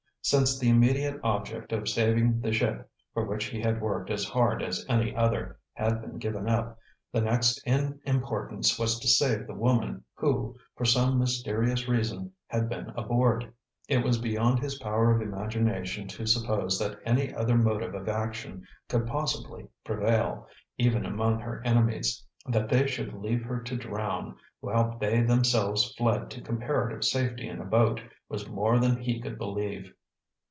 Since the immediate object of saving the ship, for which he had worked as hard as any other, had been given up, the next in importance was to save the woman who, for some mysterious reason, had been aboard. It was beyond his power of imagination to suppose that any other motive of action could possibly prevail, even among her enemies. That they should leave her to drown, while they themselves fled to comparative safety in a boat, was more than he could believe.